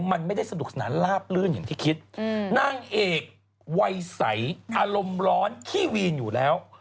มันไม่ได้สนุกสนานลาบลื่นอย่างที่คิดนางเอกวัยใสอารมณ์ร้อนขี้วีนอยู่แล้ว